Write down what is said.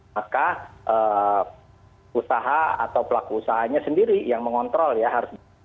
maka usaha atau pelaku usahanya sendiri yang mengontrol ya